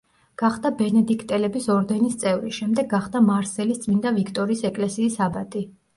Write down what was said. გახდა ბენედიქტელების ორდენის წევრი, შემდეგ გახდა მარსელის წმინდა ვიქტორის ეკლესიის აბატი.